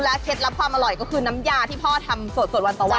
เมื่อกี้พ่อบอก